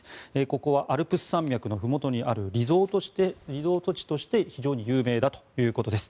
ここはアルプス山脈のふもとにあるリゾート地として非常に有名だということです。